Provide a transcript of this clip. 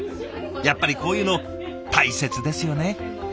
やっぱりこういうの大切ですよね。